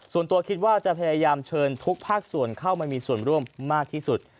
ส่วนตัวคิดว่าจะพยายามเชิญทุกภาคส่วนเข้ามามีส่วนร่วมมากที่สุด